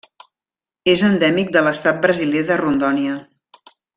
És endèmic de l'estat brasiler de Rondônia.